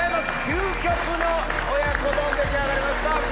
究極の親子丼出来上がりました！